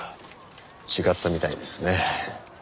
違ったみたいですね。